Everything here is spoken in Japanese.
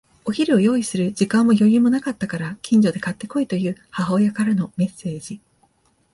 お昼を用意する時間も余裕もなかったから、近所で買って来いという母親からのメッセージ。